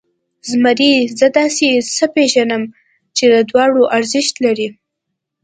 زمري، زه داسې څه پېژنم چې د دواړو ارزښت لري.